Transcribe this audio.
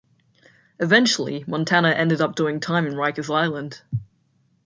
Eventually, Montana ended up doing time in Riker's Island.